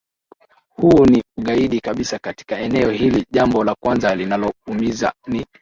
Huu ni ugaidi kabisa katika eneo hili Jambo la kwanza linaloumiza ni